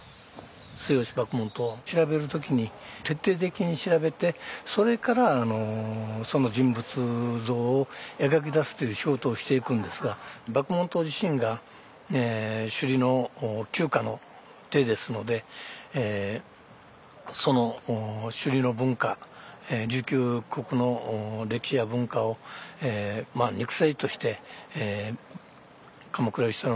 末吉麦門冬は調べる時に徹底的に調べてそれからその人物像を描き出すという仕事をしていくんですが麦門冬自身が首里の旧家の出ですのでその首里の文化琉球国の歴史や文化を肉声として鎌倉芳太郎に教えていく。